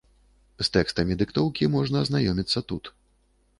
З тэкстамі дыктоўкі можна азнаёміцца тут.